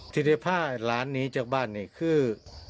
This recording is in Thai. ทิศภาพร้านนี้จากบ้านนี้คือ